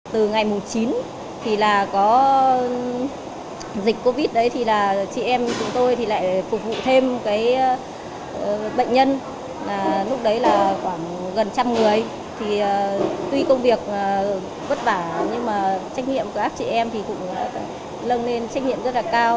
tuy công việc vất vả nhưng trách nhiệm của các chị em cũng lông lên trách nhiệm rất là cao